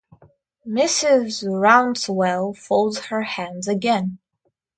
Mrs. Rouncewell folds her hands again.